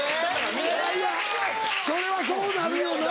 いやいやそれはそうなるよな。